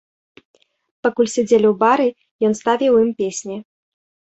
Пакуль сядзелі ў бары, ён ставіў ім песні.